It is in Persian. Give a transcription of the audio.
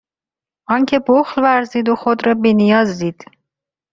آنکه بخل ورزید و خود را بینیاز دید